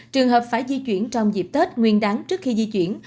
trường hợp phải di chuyển trong dịp tết nguyên đáng trước khi di chuyển